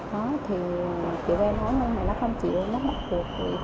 chị vê nói mấy ngày nó không chịu nó mất được